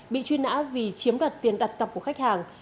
bị truy nã vì chiếm đoạt tiền đặt cọc của khách hàng